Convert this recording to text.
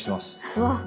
うわっ